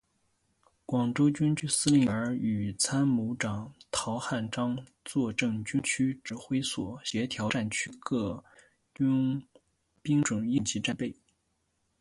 广州军区司令员与参谋长陶汉章坐镇军区指挥所协调战区个军兵种应急战备。